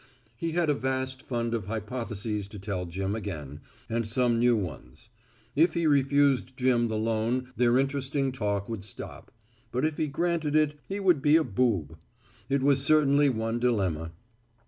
He had a vast fund of hypotheses to tell Jim again, and some new ones. If he refused Jim the loan their interesting talk would stop. But if he granted it he would be a boob. It was certainly one dilemma.